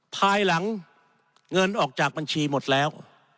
ภายหลังเงินออกจากบัญชีหมดแล้ว